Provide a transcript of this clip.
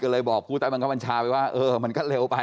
เลยบอกครูตั๊วมันก็มันชาไปว่าเออมันก็เร็วไป